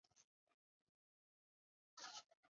白峰是朝鲜民主主义人民共和国的金日成传记作家。